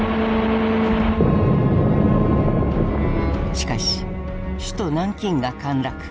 しかし首都・南京が陥落。